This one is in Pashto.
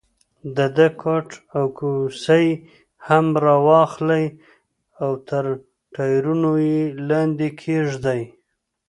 د ده کوټ او کوسۍ هم را واخلئ او تر ټایرونو یې لاندې کېږدئ.